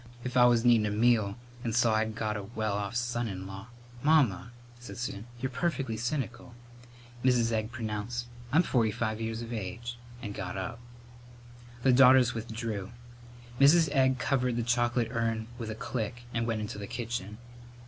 If I was needin' a meal and saw I'd got a well off son in law " "Mamma," said Susan, "you're perfectly cynical." Mrs. Egg pronounced, "I'm forty five years of age," and got up. The daughters withdrew. Mrs. Egg covered the chocolate urn with a click and went into the kitchen.